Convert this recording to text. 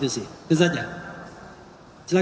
dan sampai pada tahap melanggar konstitusi